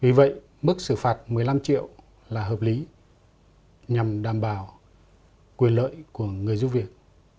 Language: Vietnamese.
vì vậy mức xử phạt một mươi năm triệu là hợp lý nhằm đảm bảo quyền lợi của người giúp việc